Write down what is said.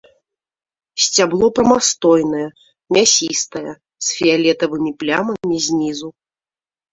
Сцябло прамастойнае, мясістае, з фіялетавымі плямамі знізу.